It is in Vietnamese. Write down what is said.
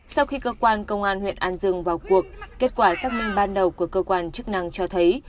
sau khi cơ quan công an huyện an dương vào cuộc kết quả xác minh ban đầu của cơ quan chức năng cho thấy